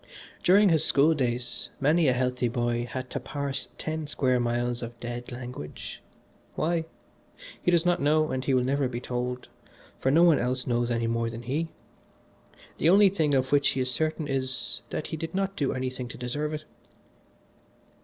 During his school days many a healthy boy had to parse ten square miles of dead language. Why? he does not know and he will never be told, for no one else knows any more than he. The only thing of which he is certain is, that he did not do anything to deserve it.